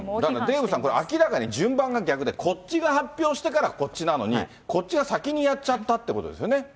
デーブさん、これ、明らかに順番が逆で、こっちが発表してからこっちなのに、こっちが先にやっちゃったってことですよね。